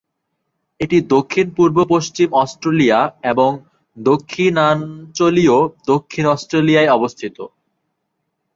এটি দক্ষিণ-পূর্ব পশ্চিম অস্ট্রেলিয়া এবং দক্ষিণাঞ্চলীয় দক্ষিণ অস্ট্রেলিয়ায় অবস্থিত।